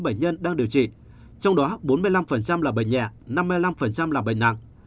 có ba trăm bốn mươi chín bệnh nhân đang điều trị trong đó bốn mươi năm là bệnh nhẹ năm mươi năm là bệnh nặng